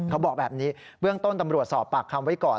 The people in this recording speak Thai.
เขาบอกแบบนี้เบื้องต้นตำรวจสอบปากคำไว้ก่อน